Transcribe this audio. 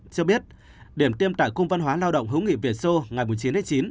cho biết điểm tiêm tại cung văn hóa lao động hữu nghị việt xô ngày chín chín